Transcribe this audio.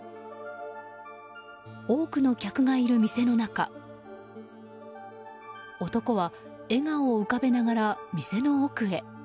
多くの客がいる中男は笑顔を浮かべながら店の奥へ。